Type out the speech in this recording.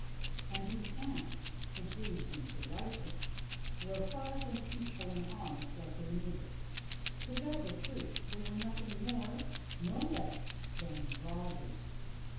And these ants—it grieves me to write it—were far from peaceful and honest like their neighbors. To tell the truth, they were nothing more nor less than robbers.